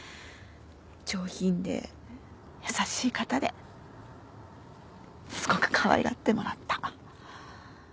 上品で優しい方ですごくかわいがってもらった。